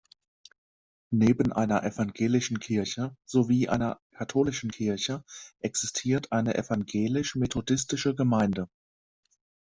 Neben einer evangelischen Kirche sowie einer katholischen Kirche existiert eine evangelisch-methodistische Gemeinde.